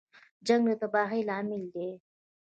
جنګ د تباهۍ لامل دی